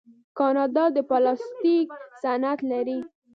کاناډا د پلاستیک صنعت لري.